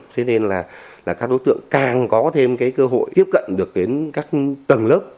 thế nên là các đối tượng càng có thêm cơ hội tiếp cận được đến các tầng lớp